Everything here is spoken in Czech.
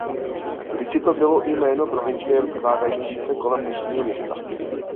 Kdysi to bylo i jméno provincie rozkládající se kolem dnešního města.